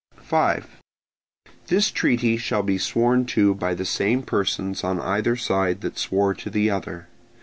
5. This treaty shall be sworn to by the same persons on either side that swore to the other.